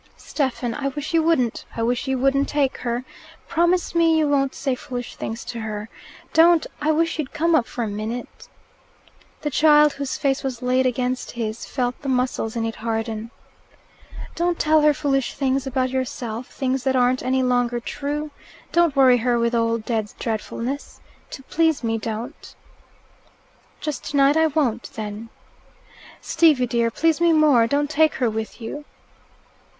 "Stephen, I wish you wouldn't. I wish you wouldn't take her. Promise you won't say foolish things to her. Don't I wish you'd come up for a minute " The child, whose face was laid against his, felt the muscles in it harden. "Don't tell her foolish things about yourself things that aren't any longer true. Don't worry her with old dead dreadfulness. To please me don't." "Just tonight I won't, then." "Stevie, dear, please me more don't take her with you."